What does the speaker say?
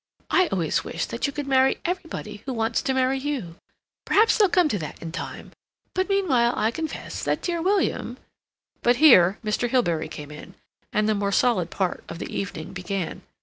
"I always wish that you could marry everybody who wants to marry you. Perhaps they'll come to that in time, but meanwhile I confess that dear William—" But here Mr. Hilbery came in, and the more solid part of the evening began.